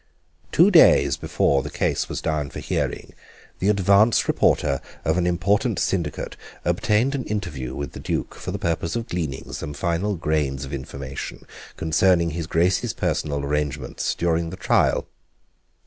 Two days before the case was down for hearing the advance reporter of an important syndicate obtained an interview with the Duke for the purpose of gleaning some final grains of information concerning his Grace's personal arrangements during the trial.